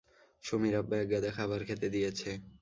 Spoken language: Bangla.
সুমীর আব্বা একগাদা খাবার খেতে দিয়েছে।